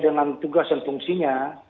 dengan tugas dan fungsinya